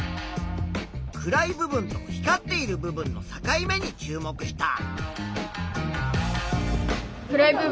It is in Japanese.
暗い部分と光っている部分の境目に注目した。